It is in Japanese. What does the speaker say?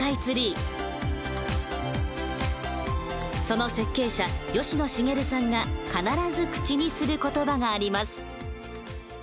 その設計者吉野繁さんが必ず口にする言葉があります。